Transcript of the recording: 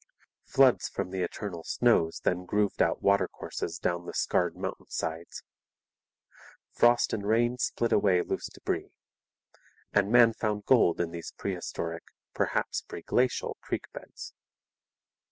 Floods from the eternal snows then grooved out watercourses down the scarred mountainsides. Frost and rain split away loose debris. And man found gold in these prehistoric, perhaps preglacial, creek beds.